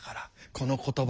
この言葉。